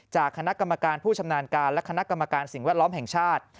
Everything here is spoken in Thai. จากคณะกรรมการผู้ชำนาญการและคณะกรรมการสิ่งแวดล้อมแห่งชาติ